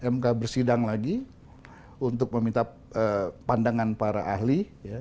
mk bersidang lagi untuk meminta pandangan para ahli